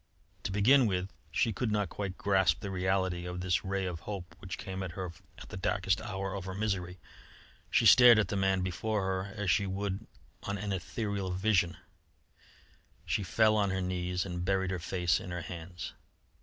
To begin with, she could not quite grasp the reality of this ray of hope, which came to her at the darkest hour of her misery. She stared at the man before her as she would on an ethereal vision; she fell on her knees and buried her face in her hands.